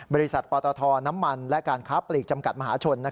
บริษัทปตทน้ำมันและการค้าปลีกจำกัดมหาชน